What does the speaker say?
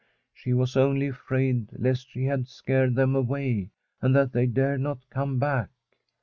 She was only afraid lest she had scared them away, and that they dared not come back.